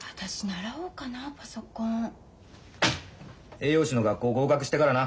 栄養士の学校合格してからな。